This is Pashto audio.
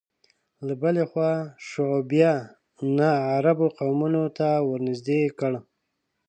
له بلې خوا شعوبیه ناعربو قومونو ته ورنژدې کړ